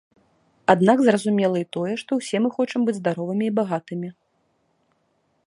Аднак зразумела і тое, што ўсе мы хочам быць здаровымі і багатымі.